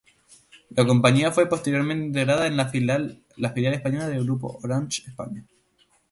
La compañía fue posteriormente integrada en la filial española del grupo Orange España.